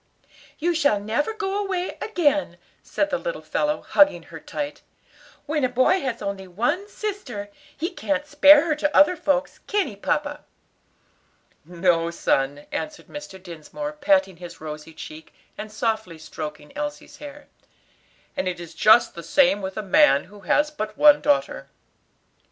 "You shall never go away again," said the little fellow, hugging her tight. "When a boy has only one sister, he can't spare her to other folks, can he, papa?" "No, son," answered Mr. Dinsmore, patting his rosy cheek, and softly stroking Elsie's hair, "and it is just the same with a man who has but one daughter."